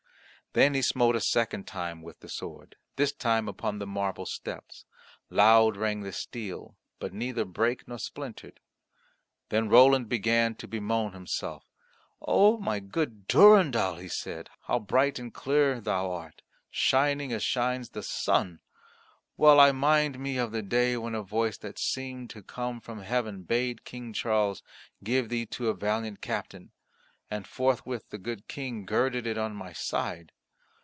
Then he smote a second time with the sword, this time upon the marble steps. Loud rang the steel, but neither brake nor splintered. Then Roland began to bemoan himself, "O my good Durendal," he said, "how bright and clear thou art, shining as shines the sun! Well I mind me of the day when a voice that seemed to come from heaven bade King Charles give thee to a valiant captain; and forthwith the good King girded it on my side.